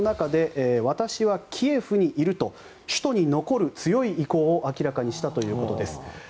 その中で、私はキエフにいると首都に残る強い意向を明らかにしたということです。